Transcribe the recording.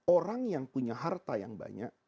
orang yang punya harta yang banyak